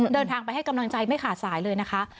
เดินทางไปให้กำลังใจไม่ขาดสายเลยนะคะ